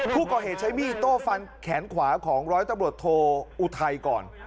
ผู้ก่อเหตุใช้มีดโต้ฟันแขนขวาของร้อยตำรวจโทอุทัยก่อน